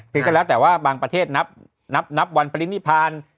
คืออย่างนั้นแต่ว่าบางประเทศนับวันปริภาณ